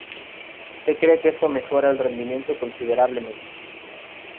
Se cree que esto mejora el rendimiento considerablemente.